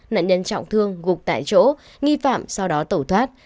nạn nhân trọng thương gục tại chỗ nghi phạm sau đó tẩu thoát